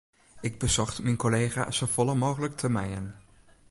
Ik besocht myn kollega's safolle mooglik te mijen.